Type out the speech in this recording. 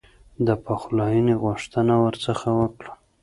د پخلایني غوښتنه ورڅخه وکړه.